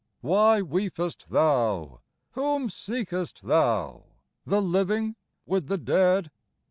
" Why weepest thou ? Whom seekest thou ? The living with the dead